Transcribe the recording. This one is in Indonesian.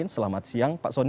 selamat siang pak sonny